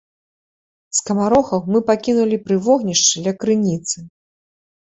Скамарохаў мы пакінулі пры вогнішчы ля крыніцы.